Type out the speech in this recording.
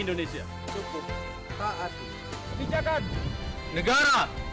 indonesia cukup taat di sepijakan negara